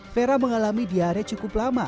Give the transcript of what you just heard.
vera mengalami diare cukup lama